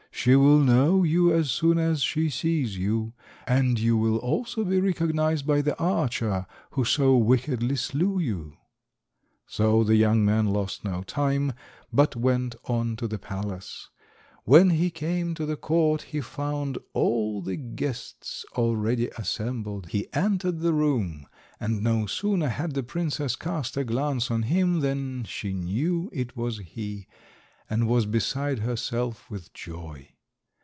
She will know you as soon as she sees you, and you will also be recognised by the archer who so wickedly slew you." So the young man lost no time, but went on to the palace. When he came to the court he found all the guests already assembled. He entered the room, and no sooner had the princess cast a glance on him than she knew it was he, and was beside herself with joy.